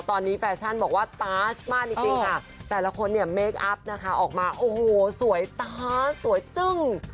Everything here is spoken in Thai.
ตอนนี้แฟชั่นบอกว่าตาชมากจริงค่ะแต่ละคนเนี่ยเมคอัพนะคะออกมาโอ้โหสวยตาสวยจึ้ง